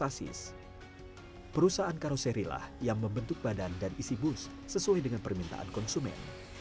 perusahaan karoserilah yang membentuk badan dan isi bus sesuai dengan permintaan konsumen